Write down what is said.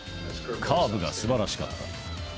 カーブがすばらしかった。